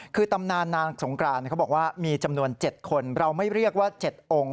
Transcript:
คือตำนานนางสงกรานเขาบอกว่ามีจำนวน๗คนเราไม่เรียกว่า๗องค์